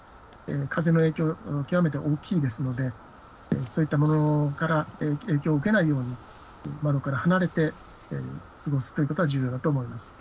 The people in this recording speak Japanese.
風の影響が極めて大きいですので、そういったものから影響を受けないように、窓から離れて過ごすということが重要だと思います。